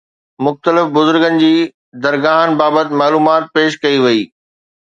مختلف بزرگن جي درگاهن بابت معلومات پيش ڪئي وئي